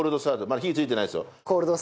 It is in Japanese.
まだ火ついてないですよ。